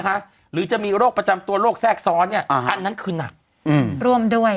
หรือจะมีโรคประจำตัวโรคแทรกซ้อนเนี้ยอ่าอันนั้นคือหนักอืมร่วมด้วย